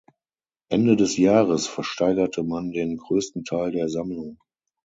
Ende des Jahres versteigerte man den größten Teil der Sammlung.